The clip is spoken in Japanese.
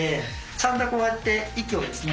ちゃんとこうやって息をですね